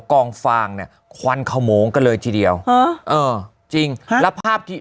กองฟางเนี่ยควันขโมงกันเลยทีเดียวฮะเออจริงฮะแล้วภาพที่